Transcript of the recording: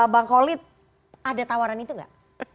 bang kolit ada tawaran itu gak